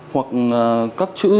hoặc các chữ